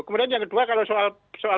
kemudian yang kedua kalau soal